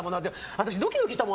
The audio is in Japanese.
私ドキドキしたもん。